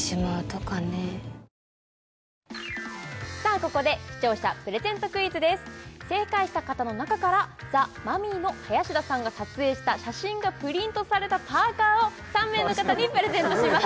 ここで視聴者プレゼントクイズです正解した方の中からザ・マミィの林田さんが撮影した写真がプリントされたパーカーを３名の方にプレゼントします